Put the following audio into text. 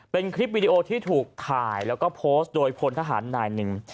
เป็นคลิปวิดีโอที่ถูกถ่ายแล้วก็โพสต์โดยพลทหารนายหนึ่ง